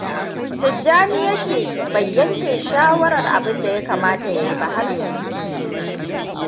Tijjani ya ke bai yanke shawarar abinda ya kamata ya yi ba har yanzu.